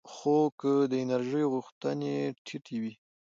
خو که د انرژۍ غوښتنې ټیټې وي